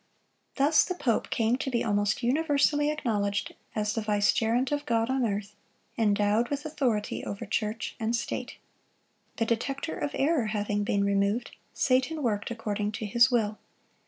Thus the pope came to be almost universally acknowledged as the vicegerent of God on earth, endowed with authority over church and state. The detector of error having been removed, Satan worked according to his will.